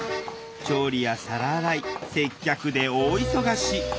調理や皿洗い接客で大忙し。